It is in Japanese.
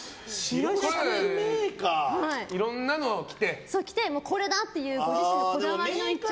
いろんなのを着てこれだっていうご自身こだわりの一着。